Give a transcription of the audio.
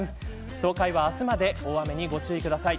東海は明日まで大雨にご注意ください。